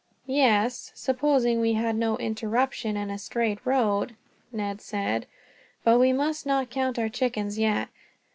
"Yes, supposing we had no interruption and a straight road," Ned said. "But we must not count our chickens yet.